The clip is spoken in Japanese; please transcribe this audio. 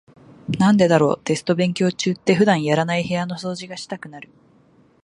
なんでだろう、テスト勉強中って普段やらない部屋の掃除がしたくなる。